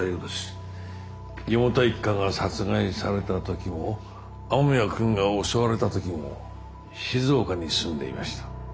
四方田一家が殺害された時も雨宮君が襲われた時も静岡に住んでいました。